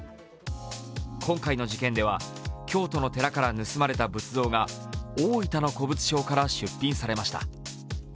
今回の事件では京都の寺から盗まれた仏像が大分の古物商から出品されました。